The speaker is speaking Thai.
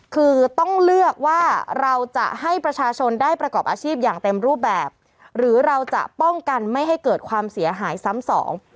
คือต้องเลือกว่าเราจะให้ประชาชนได้ประกอบอาชีพอย่างเต็มรูปแบบหรือเราจะป้องกันไม่ให้เกิดความเสียหายซ้ำสอง